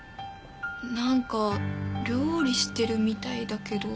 なんか料理してるみたいだけど。